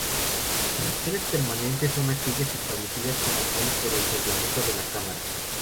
Las Comisiones Permanentes son aquellas establecidas como tales por el Reglamento de la Cámara.